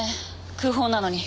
空砲なのに。